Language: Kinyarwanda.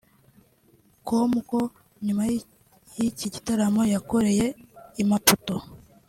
com ko nyuma y’iki gitaramo yakoreye i Maputo